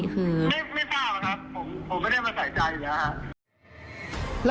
ไม่พลาดนะครับผมไม่ได้มาใส่ใจนะครับ